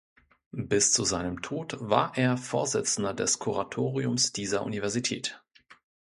Bis zu seinem Tod war er Vorsitzender des Kuratoriums dieser Universität.